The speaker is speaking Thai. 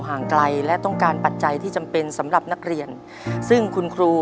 ในแคมเปญพิเศษเกมต่อชีวิตโรงเรียนของหนู